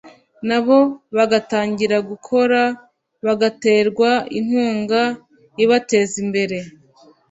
nabo bagatangira gukora bagaterwa inkunga ibateza imbere